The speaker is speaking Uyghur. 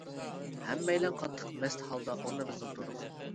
ھەممەيلەن قاتتىق مەست ھالدا ئورنىمىزدىن تۇردۇق.